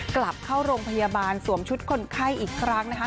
กลับเข้าโรงพยาบาลสวมชุดคนไข้อีกครั้งนะคะ